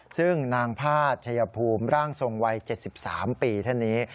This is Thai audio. ซึ่งนางพาดชัยภูมิร่างทรงวัย๗๓ปีท่านนี้